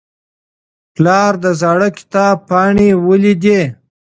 پلار د زاړه کتاب پاڼې ولیدې.